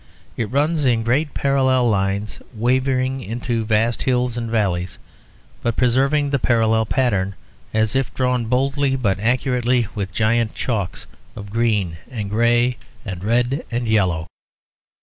It runs in great parallel lines wavering into vast hills and valleys, but preserving the parallel pattern; as if drawn boldly but accurately with gigantic chalks of green and grey and red and yellow.